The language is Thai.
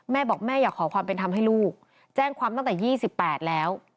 แม่บอกแม่อย่าขอความเป็นทำให้ลูกแจ้งความตั้งแต่ยี่สิบแปดแล้ว